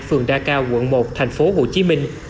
phường đa cao quận một thành phố hồ chí minh